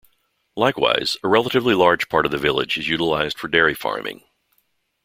Likewise, a relatively large part of the village is utilized for dairy farming.